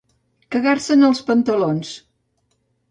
Cagar-se en els pantalons.